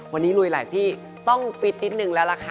วันนี้ลุยหลายที่ต้องฟิตนิดนึงแล้วล่ะค่ะ